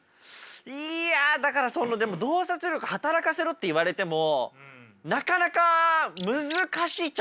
いやだからそのでも洞察力働かせろって言われてもなかなか難しいっちゃ難しいですよね？